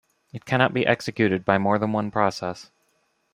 It cannot be executed by more than one process.